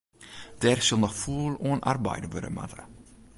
Dêr sil noch fûl oan arbeide wurde moatte.